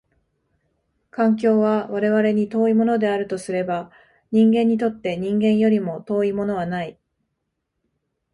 環境は我々に遠いものであるとすれば、人間にとって人間よりも遠いものはない。